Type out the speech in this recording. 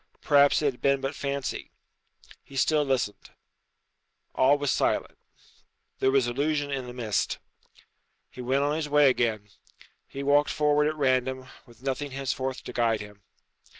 Perhaps it had been but fancy. He still listened. All was silent. There was illusion in the mist. He went on his way again. He walked forward at random, with nothing henceforth to guide him.